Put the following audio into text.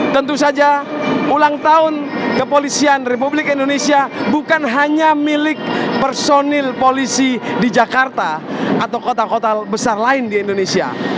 tentu saja ulang tahun kepolisian republik indonesia bukan hanya milik personil polisi di jakarta atau kota kota besar lain di indonesia